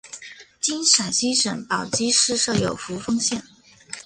今陕西省宝鸡市设有扶风县。